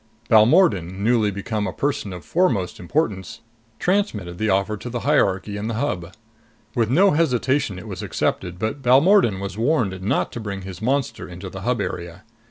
Balmordan, newly become a person of foremost importance, transmitted the offer to the hierarchy in the Hub. With no hesitation it was accepted, but Balmordan was warned not to bring his monster into the Hub area.